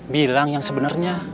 bilang yang sebenarnya